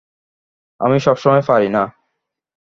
আমি সব সময় পারি না।